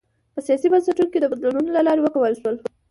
په سیاسي بنسټونو کې د بدلونونو له لارې وکولای شول.